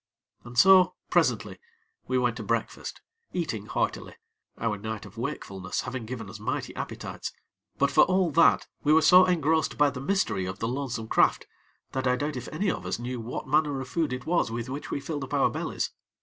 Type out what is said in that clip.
And so, presently, we went to breakfast, eating heartily; our night of wakefulness having given us mighty appetites; but, for all that, we were so engrossed by the mystery of the lonesome craft, that I doubt if any of us knew what manner of food it was with which we filled our bellies.